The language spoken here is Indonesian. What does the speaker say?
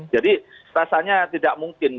jadi rasanya tidak mungkin